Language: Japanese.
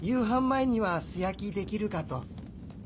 前には素焼きできるかと。